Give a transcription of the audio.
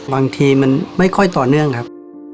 บางทีมันไม่ค่อยต่อเนื่องครับ